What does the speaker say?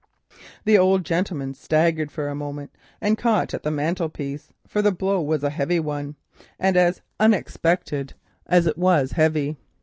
The old gentleman staggered for a moment, and caught at the mantelpiece, for the blow was a heavy one, and as unexpected as it was heavy.